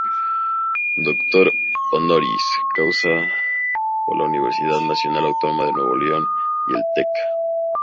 Doctor Honoris causa por la Universidad Nacional Autónoma de Nuevo León y el Tec.